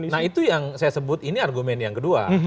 nah itu yang saya sebut ini argumen yang kedua